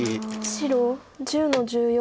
白１０の十四。